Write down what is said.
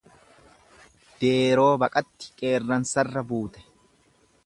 Deeroo baqatti qeerransarra buute.